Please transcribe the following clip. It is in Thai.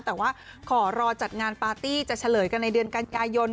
แต่ว่าขอรอจัดงานปาร์ตี้จะเฉลยกันในเดือนกันยายน